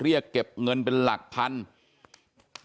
เรียกเก็บเงินเป็นหลักพันธุ์